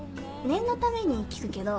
念のために聞くけど。